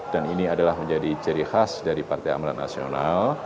dan ini adalah menjadi ciri khas dari partai amaran nasional